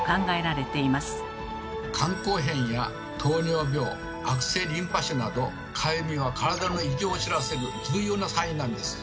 肝硬変や糖尿病悪性リンパ腫などかゆみは体の異常を知らせる重要なサインなんです。